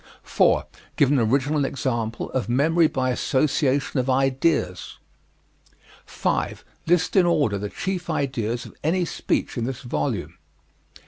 4. Give an original example of memory by association of ideas. 5. List in order the chief ideas of any speech in this volume.